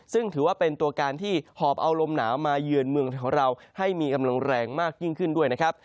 ซึ่งถือว่าเป็นตัวการที่หอบเอาลมหนาวมาเยือนเมืองของเราให้มีกำลังแรงมากยิ่งขึ้นด้วยนะครับ